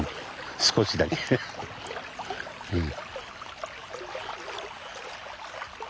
少しだけうん。